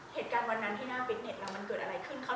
เหตุการณ์วันนั้นที่หน้าฟิตเน็ตเรามันเกิดอะไรขึ้นคะ